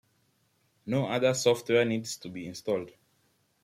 No other software needs to be installed.